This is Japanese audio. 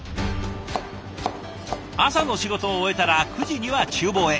朝の仕事を終えたら９時にはちゅう房へ。